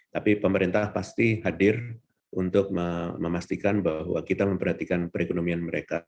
tapi pemerintah pasti hadir untuk memastikan bahwa kita memperhatikan perekonomian mereka